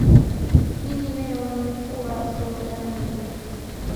Mimi leo nlikua forodhani